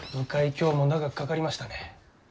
今日も長くかかりましたね。